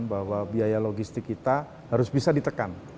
bahwa biaya logistik kita harus bisa ditekan